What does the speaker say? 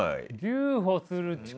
留保する力？